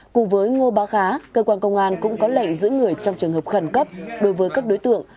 cùng với ngô bá khá cơ quan công an cũng có lệnh giữ người trong trường hợp khẩn cấp đối với các đối tượng